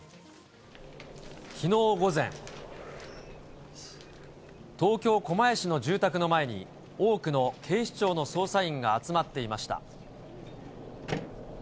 きのう午前、東京・狛江市の住宅の前に、多くの警視庁の捜査員が集まっていました。